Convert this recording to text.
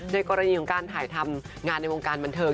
กรณีของการถ่ายทำงานในวงการบันเทิง